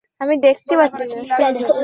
তিনি একজন পুরস্কারপ্রাপ্ত শিক্ষক।